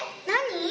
何？